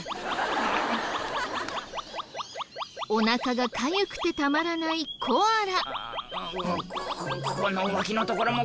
おなかがかゆくてたまらないコアラ。